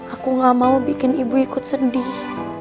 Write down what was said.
aku gak mau bikin ibu ikut sedih